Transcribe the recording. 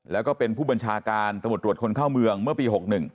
แล้วก็เป็นผู้บัญชาการตำรวจตรวจคนเข้าเมืองเมื่อปี๖๑